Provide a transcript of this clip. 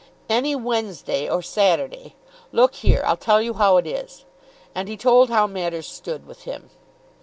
"Any Wednesday or Saturday. Look here, I'll tell you how it is." And he told how matters stood with him.